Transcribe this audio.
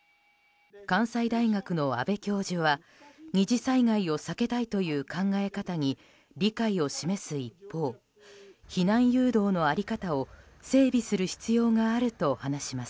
関西大学の安部教授は２次災害を避けたいという考え方に理解を示す一方避難誘導の在り方を整備する必要があると話します。